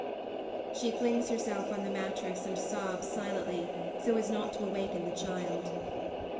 [_She flings herself on the mattress, and sobs silently, so as not to awaken, the child.